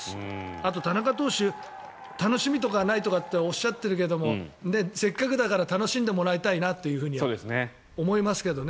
あと田中投手楽しみとかはないとかっておっしゃっているけどもせっかくだから楽しんでもらいたいなと思いますけどね。